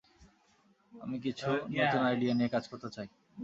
আমি কিছু নতুন আইডিয়া নিয়ে কাজ করতে চাই।